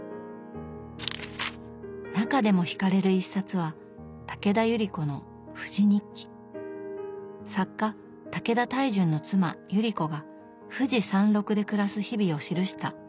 中でも惹かれる一冊は作家武田泰淳の妻百合子が富士山麓で暮らす日々を記した名作です。